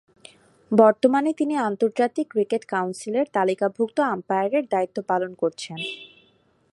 বর্তমানে তিনি আন্তর্জাতিক ক্রিকেট কাউন্সিলের তালিকাভূক্ত আম্পায়ারের দায়িত্ব পালন করছেন।